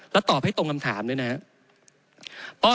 แล้วตอบให้ตรงคำถามด้วยนะครับ